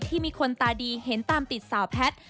ที่มีคนตาดีเห็นตามติดสาวแพทย์